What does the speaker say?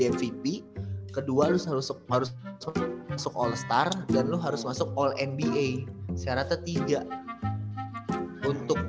mvp kedua lu harus masuk all star dan lu harus masuk all nba seharusnya tiga untuk